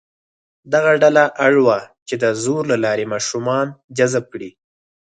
دغه ډله اړ وه چې د زور له لارې ماشومان جذب کړي.